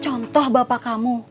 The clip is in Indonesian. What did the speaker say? contoh bapak kamu